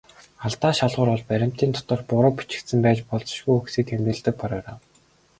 Алдаа шалгуур бол баримтын доторх буруу бичигдсэн байж болзошгүй үгсийг тэмдэглэдэг программ.